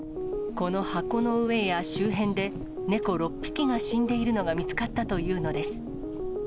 この箱の上や周辺で、猫６匹が死んでいるのが見つかったというのです。